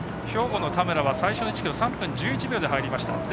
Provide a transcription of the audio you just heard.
兵庫の田村は最初の１ｋｍ３分１１秒で入りました。